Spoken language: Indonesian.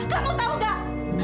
kamu tahu nggak